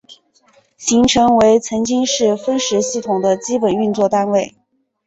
行程为曾经是分时系统的基本运作单位。